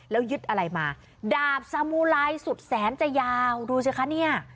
แล้วยึดอะไรมาดาบสามูไลสุดแสนจะยาวดูสิคะเนี่ย